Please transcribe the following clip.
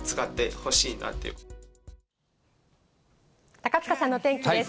高塚さんのお天気です。